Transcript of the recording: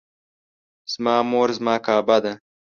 زما مور زما کعبه ده